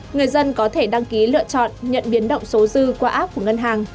người dân có thể đăng ký lựa chọn nhận biến động số dư qua app của ngân hàng